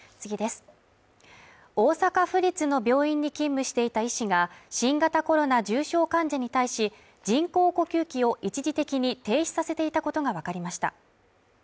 大阪府立の病院に勤務していた医師が新型コロナ重症患者に対し人工呼吸器を一時的に停止させていたことがわかりました。